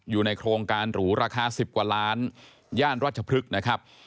อยู่ในโครงการหรูราคา๑๐กว่าล้านย่านราชพฤกษ์นะครับ